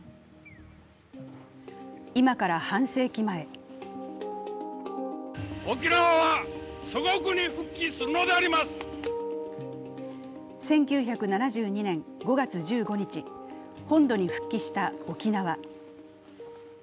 今から半世紀前１９７２年５月１５日、本土に復帰した沖縄。